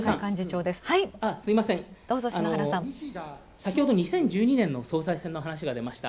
先ほど２０１２年の総裁選の話が出ました。